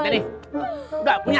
dua dua dua